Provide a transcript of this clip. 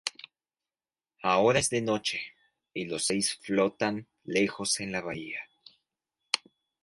Ahora es de noche y los seis flotan lejos en la bahía.